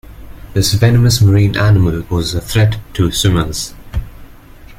This venomous, marine animal poses a threat to swimmers.